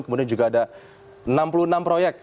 kemudian juga ada enam puluh enam proyek